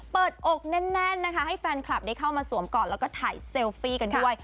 อกแน่นนะคะให้แฟนคลับได้เข้ามาสวมกอดแล้วก็ถ่ายเซลฟี่กันด้วย